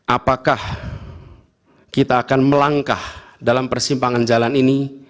apakah kita akan melangkah dalam persimpangan jalan ini